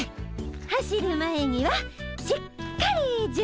走る前にはしっかり準備ね。